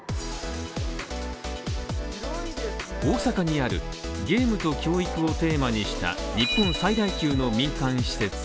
大阪にあるゲームと教育をテーマにした日本最大級の民間施設